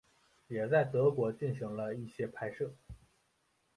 也在德国进行了一些拍摄。